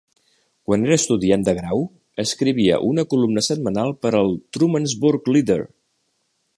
Quan era estudiant de grau, escrivia una columna setmanal per al "Trumansburg Leader".